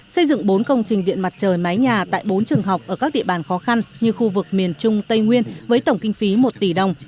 xây dựng bốn công trình điện mặt trời mái nhà tại bốn trường học ở các địa bàn khó khăn như khu vực miền trung tây nguyên với tổng kinh phí một tỷ đồng